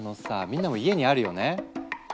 みんなも家にあるよね？